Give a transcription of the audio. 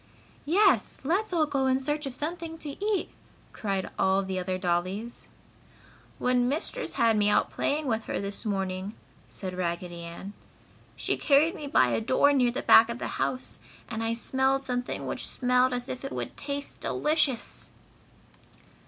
"Yes! Let's all go in search of something to eat!" cried all the other dollies. "When Mistress had me out playing with her this morning," said Raggedy Ann, "she carried me by a door near the back of the house and I smelled something which smelled as if it would taste delicious!"